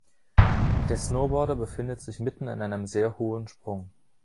Der Snowboarder befindet sich mitten in einem sehr hohen Sprung